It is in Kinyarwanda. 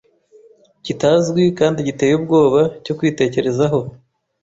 kitazwi kandi giteye ubwoba cyo kwitekerezaho